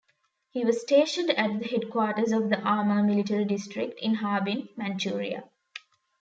He was stationed at the Headquarters of the Amur Military District in Harbin, Manchuria.